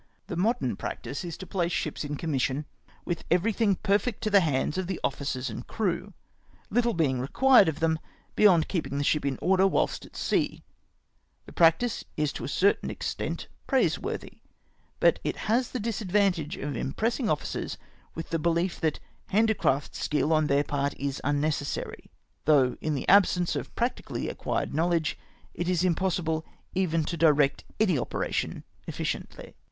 The modern practice is to place ships m commission, with ever3;1;lnng perfect to the hands of the officers and crew, httle being required of them beyond keeping the ship m order Avliilst at sea. The practice is to a certam extent praiseworthy ; but it has the disadvantage of impressing officers with the behef that handicraft sldll on then part is unnecossar}^ though in the absence of TRAINING OF OFFICEES. 61 practically acquired knowledge it is impossible even to direct any operation efficiently.